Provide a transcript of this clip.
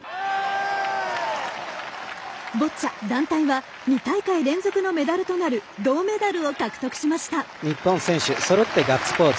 ボッチャ団体は２大会連続のメダルとなる銅メダルを獲得しました。